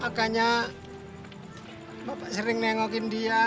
makanya bapak sering nengokin dia